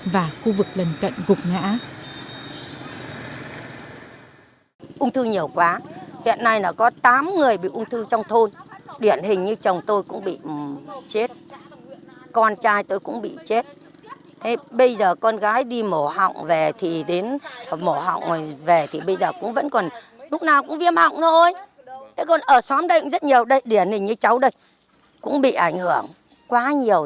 và khu vực lần cận gục ngã